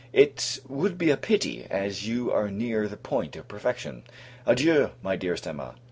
It would be a pity, as you are near the point of perfection. Adieu, my dearest Emma!